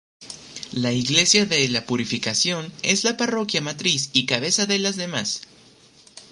La iglesia de la Purificación es la parroquia matriz y cabeza de las demás.